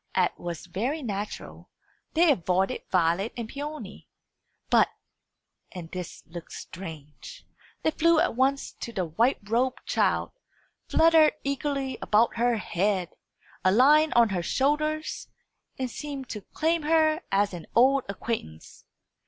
As was very natural, they avoided Violet and Peony. But and this looked strange they flew at once to the white robed child, fluttered eagerly about her head, alighted on her shoulders, and seemed to claim her as an old acquaintance.